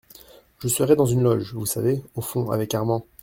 Je serai dans une loge , vous savez ? au fond , avec Armand.